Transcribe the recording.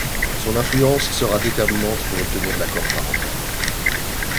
Son influence sera déterminante pour obtenir l’accord parental.